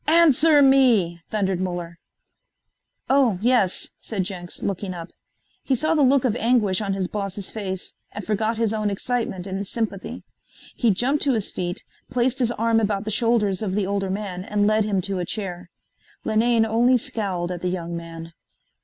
"Answer me," thundered Muller. "Oh yes," said Jenks, looking up. He saw the look of anguish on his boss's face and forgot his own excitement in sympathy. He jumped to his feet, placed his arm about the shoulders of the older man and led him to a chair. Linane only scowled at the young man.